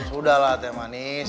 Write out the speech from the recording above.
sudahlah teh manis